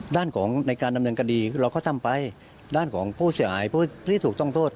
ด้านของในการดำเนินคดีเราก็ทำไปด้านของผู้เสียหายผู้ที่ถูกต้องโทษ